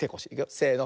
せの。